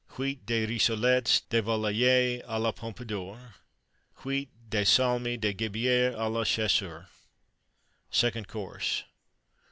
Huit de Rissolettes de Volaille à la Pompadour. Huit de Salmi de Gibier à la Chasseur. SECOND COURSE.